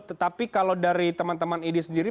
tetapi kalau dari teman teman idi sendiri